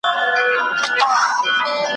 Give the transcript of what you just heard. تر څو به وینو وراني ویجاړي `